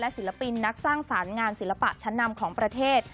ศิลปินนักสร้างสรรค์งานศิลปะชั้นนำของประเทศ